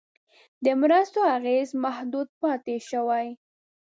د مرستو اغېز محدود پاتې شوی.